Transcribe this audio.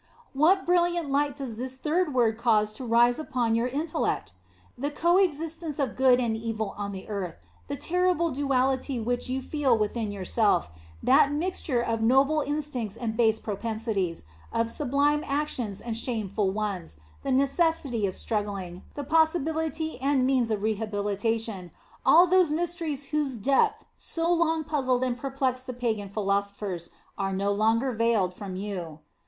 What brilliant light does this third word cause to rise upon your intellect! The co existence of good and evil on the earth, the terrible duality which you feel within your self, that mixture of noble instincts and base propensities, ot sublime actions and shameful ones, the necessity of struggling , the possi bility and means of rehabilitation, all those mysteries whose depth so long puzzled and perplexed the pagan philosophers, are no longer veiled from you.